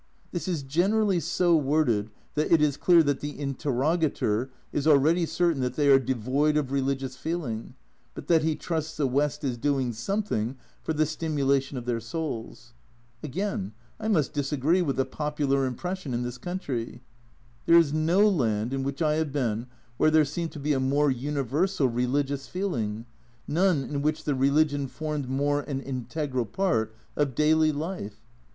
This is generally so worded that it is clear that the interrogator is already certain that they are devoid of religious feeling, but that he trusts the West is doing something for the stimulation of their souls. Again I must disagree with the popular impression in this country. There is no land in which I have been where there seemed to be a more universal religious feeling, none in which the religion formed more an integral part of daily life.